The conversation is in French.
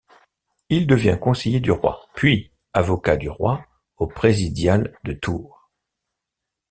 Il devient conseiller du roi, puis avocat du roi au présidial de Tours.